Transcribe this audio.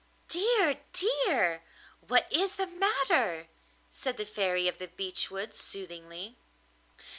'Dear, dear! what is the matter?' said the Fairy of the Beech Woods soothingly.